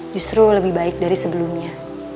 justru lebih baik dari sebelumnya